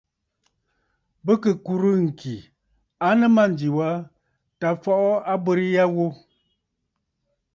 Bɨ kɨ kùrə̂ ŋ̀kì a nɨ mânjì was tǎ fɔʼɔ abərə ya ghu.